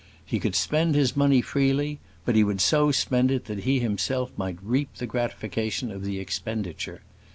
He could spend his money freely; but he would so spend it that he himself might reap the gratification of the expenditure.